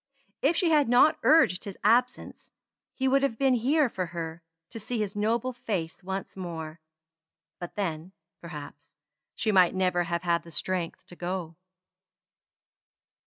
If she had not urged his absence, he would have been here for her to see his noble face once more; but then, perhaps, she might never have had the strength to go.